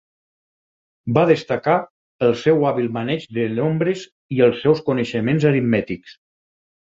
Va destacar pel seu hàbil maneig de nombres i els seus coneixements aritmètics.